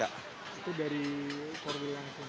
itu dari korwi langsung